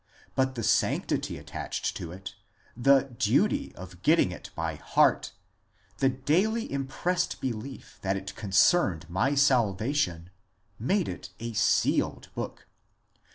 But the sanctity attached to it, the duty of getting it by heart, the daily impressed belief that it con cerned my salvation, made it a sealed book.